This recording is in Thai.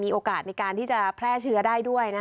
โอกาสในการที่จะแพร่เชื้อได้ด้วย